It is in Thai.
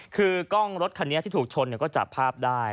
คือกล้องรถคันนี้ที่ถูกชนก็จับภาพได้